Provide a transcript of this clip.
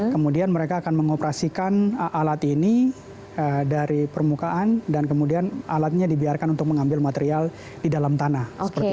kemudian mereka akan mengoperasikan alat ini dari permukaan dan kemudian alatnya dibiarkan untuk mengambil material di dalam tanah